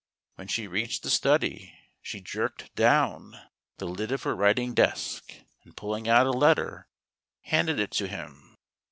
When she reached the study she jerked"down the lid of her writing desk, and, pulling out a letter, handed it to him.